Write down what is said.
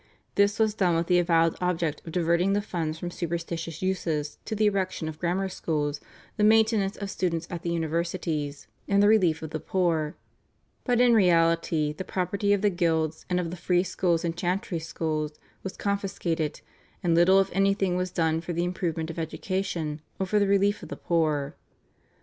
This was done with the avowed object of diverting the funds from superstitious uses to the erection of grammar schools, the maintenance of students at the universities, and the relief of the poor; but in reality the property of the guilds, and of the free schools and chantry schools, was confiscated, and little if anything was done for the improvement of education or for the relief of the poor.